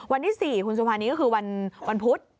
วันที่๔คุณสุภานีก็คือวันพุธ